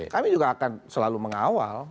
kami juga akan selalu mengawal